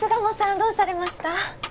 どうされました？